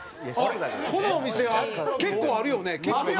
このお店結構あるよね結構ね。